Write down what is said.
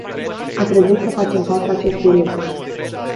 A trebuit să facem față acestui lucru.